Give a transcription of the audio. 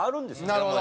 なるほど。